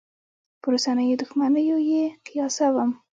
پر اوسنیو دوښمنیو یې قیاسوم.